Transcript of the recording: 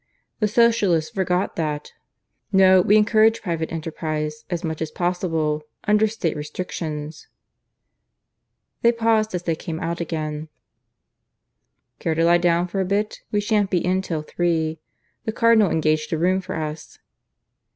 The Socialists forgot that. No; we encourage private enterprise as much as possible, under State restrictions." They paused as they came out again. "Care to lie down for a bit? We shan't be in till three. The Cardinal engaged a room for us."